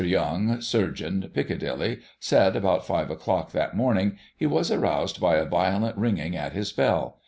Young, surgeon, Piccadilly, said, about 5 o'clock that morning he was roused by a violent ringing at his bell.